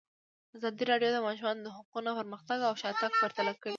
ازادي راډیو د د ماشومانو حقونه پرمختګ او شاتګ پرتله کړی.